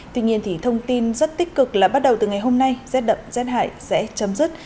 tuy nhiên thì thông tin rất tích cực là bắt đầu từ ngày hôm nay rét đậm rét hại sẽ chấm dứt